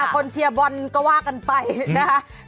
คนเชียร์บอลก็ว่ากันไปนะคะ